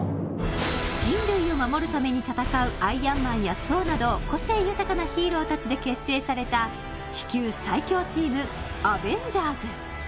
人類を守るために戦うアイアンマンやソーなど個性豊かなヒーローたちで結成された地球最強チームアベンジャーズ